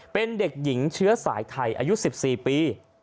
เป็นเด็กหญิงเชื้อสายไทยอายุ๑๔ปี